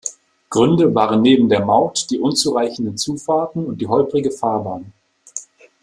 Gründe waren neben der Maut die unzureichenden Zufahrten und die holprige Fahrbahn.